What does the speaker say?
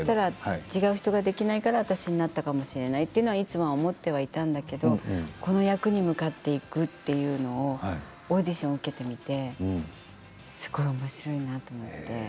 違う人ができなかったから私になったのかもしれないといつも思っていたんですけれどこの役に向かっていくというのもオーディションを受けてすごいおもしろいなと思って。